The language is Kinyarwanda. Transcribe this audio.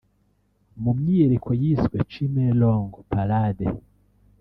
mu myireko yiswe Chimelong Parade